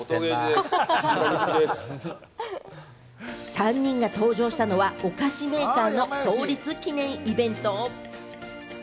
３人が登場したのは、お菓子メーカーの創立記念イベント。